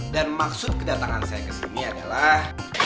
dan maksud kedatangan saya kesini adalah